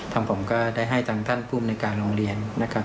ทางผมก็ได้ให้ทั้งท่านผู้อำนวยการโรงเรียน